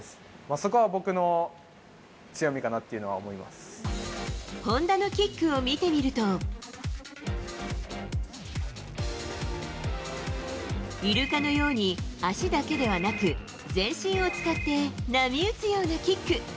そこは僕の強みかなっていうのは本多のキックを見てみると、イルカのように、足だけではなく、全身を使って、波打つようなキック。